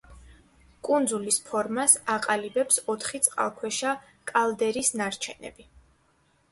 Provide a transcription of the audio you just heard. კუნძულის ფორმას აყალიბებს ოთხი წყალქვეშა კალდერის ნარჩენები.